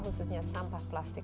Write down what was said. khususnya sampah plastik